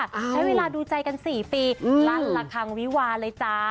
ใช้เวลาดูใจกัน๔ปีรัดหลักทางวิวารเลยจ๊ะ